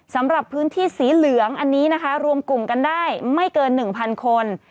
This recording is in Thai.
สำหรับพื้นที่สีเหลืองอันนี้นะคะรวมกลุ่มกันได้ไม่เกิน๑๐๐คน